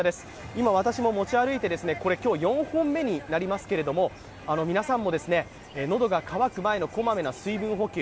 今、私も持ち歩いて今日４本目になりますが、皆さんも喉が渇く前のこまめな水分補給